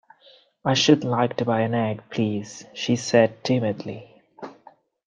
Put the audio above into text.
‘I should like to buy an egg, please,’ she said timidly.